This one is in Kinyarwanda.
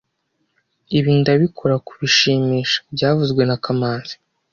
Ibi ndabikora kubishimisha byavuzwe na kamanzi